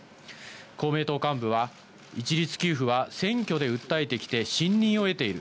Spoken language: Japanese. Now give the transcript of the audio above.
公明党幹部は、一律給付は選挙で訴えてきて信任を得ている。